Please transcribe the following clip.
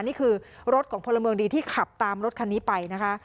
นี่คือรถของพลเมืองดีที่ขับตามรถคันนี้ไปนะคะ